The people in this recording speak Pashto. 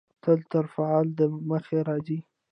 تل تر فعل د مخه راځي.